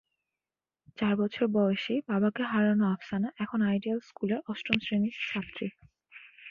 চার বছর বয়সেই বাবাকে হারানো আফসানা এখন আইডিয়াল স্কুলের অষ্টম শ্রেণির ছাত্রী।